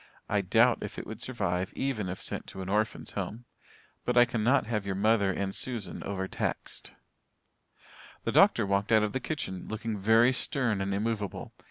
I doubt if it would survive even if sent to an orphans' home. But I cannot have your mother and Susan over taxed." The doctor walked out of the kitchen, looking very stern and immovable.